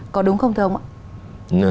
có đúng không thưa ông ạ